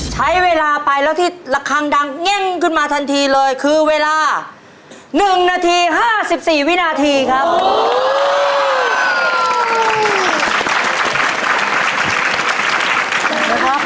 ใช้เวลาไปแล้วที่ระคังดังเง่งขึ้นมาทันทีเลยคือเวลา๑นาที๕๔วินาทีครับ